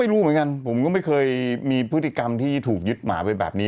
รู้เหมือนกันผมก็ไม่เคยมีพฤติกรรมที่ถูกยึดหมาไปแบบนี้